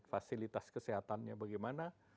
fasilitas kesehatannya bagaimana